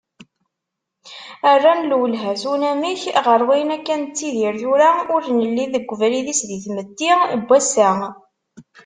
Rran lwelha s unamek ɣer wayen akka nettidir tura ur nelli deg ubrid-is di tmetti n wass-a.